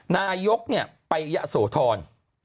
นายกไปอย่าสวทร